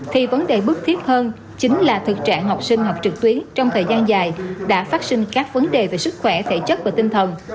thì vấn đề bước thiết hơn chính là thực trạng học sinh học trực tuyến trong thời gian dài đã phát sinh các vấn đề về sức khỏe thể chất và tinh thần